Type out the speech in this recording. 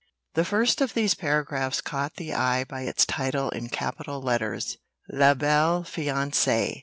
The first of these paragraphs caught the eye by its title in capital letters. "LA BELLE FIANCÉE.